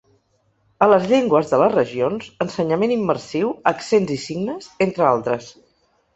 A les llengües de les regions : ensenyament immersiu, accents i signes, entre altres.